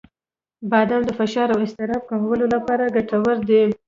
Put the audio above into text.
• بادام د فشار او اضطراب کمولو لپاره ګټور دي.